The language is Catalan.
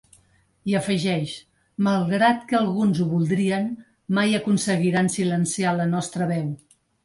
I afegeix: ‘malgrat que alguns ho voldrien mai aconseguiran silenciar la nostra veu’.